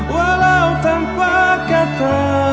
walau tanpa kata